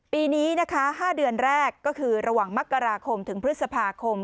ปีนี้นะคะ๕เดือนแรกก็คือระหว่างมกราคมถึงพฤษภาคม